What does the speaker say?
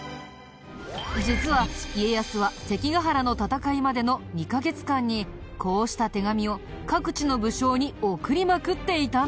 実は家康は関ヶ原の戦いまでの２カ月間にこうした手紙を各地の武将に送りまくっていたんだ。